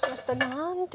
なんて